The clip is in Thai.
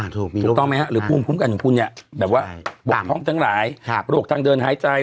ถูกต้องมั้ยฮะหรือภูมิคุ้มกันของคุณเนี่ย